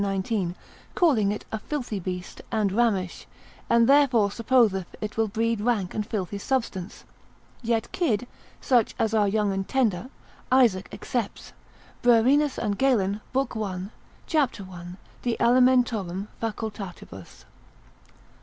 19, calling it a filthy beast, and rammish: and therefore supposeth it will breed rank and filthy substance; yet kid, such as are young and tender, Isaac accepts, Bruerinus and Galen, l. 1. c. 1. de alimentorum facultatibus.